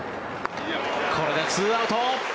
これで２アウト。